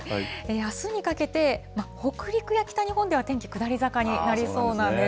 あすにかけて、北陸や北日本では天気、下り坂になりそうなんです。